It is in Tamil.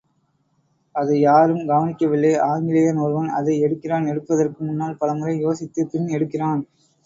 அதை யாரும் கவனிக்கவில்லை ஆங்கிலேயன் ஒருவன் அதை எடுக்கிறான் எடுப்பதற்கு முன்னால் பல முறை யோசித்துப் பின் எடுக்கிறான்.